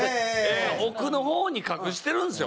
奥の方に隠してるんですよ